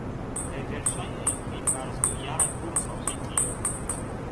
kaj verŝajne mi faros dujaran kurson pri tio.